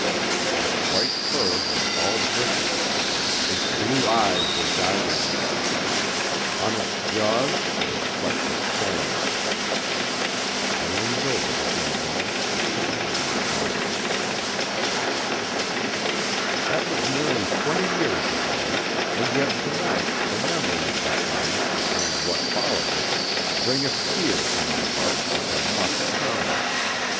Its white fur was all bristling; its blue eyes were dilated; on its jaws there were flecks of foam. I leaned over the dead woman and took it in my arms. That was nearly twenty years ago, and yet to night the memory of that moment, and what followed it, bring a fear to my heart which I must combat.